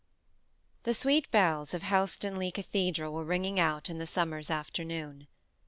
The sweet bells of Helstonleigh Cathedral were ringing out in the summer's afternoon.